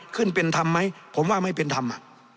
ขึ้นเป็นธรรมไหมผมว่าไม่เป็นธรรม